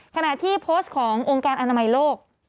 ขณะที่โพสต์ขององค์การอนามัยโลก